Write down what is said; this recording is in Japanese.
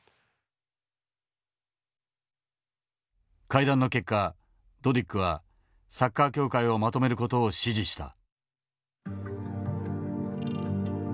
会談の結果ドディックはサッカー協会をまとめる事を支持した。